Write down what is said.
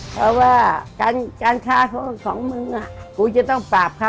เพราะว่าการฆ่าทั่วของมึง